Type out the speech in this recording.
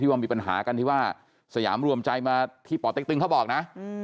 ว่ามีปัญหากันที่ว่าสยามรวมใจมาที่ป่อเต็กตึงเขาบอกนะ